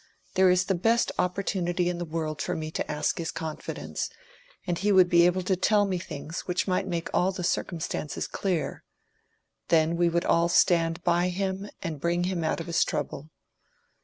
There is the best opportunity in the world for me to ask for his confidence; and he would be able to tell me things which might make all the circumstances clear. Then we would all stand by him and bring him out of his trouble.